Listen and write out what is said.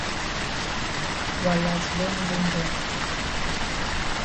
Wa kas born don born.